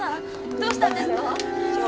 どうしたんですか？